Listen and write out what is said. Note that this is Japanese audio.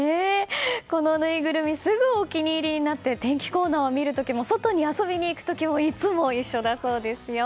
このぬいぐるみすぐお気に入りになって天気コーナーを見る時も外に遊びに行く時もいつも一緒だそうですよ。